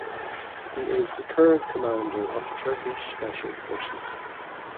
He is the current commander of Turkish Special Forces.